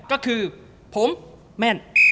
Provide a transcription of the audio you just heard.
ก็คือผมแม่น